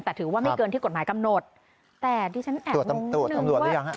แต่ถือว่าไม่เกินที่กฎหมายกำหนดแต่ที่ฉันแอบนึงนึงว่า